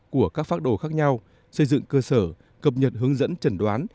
của các phác đồ khác nhau xây dựng cơ sở cập nhật hướng dẫn trần đoán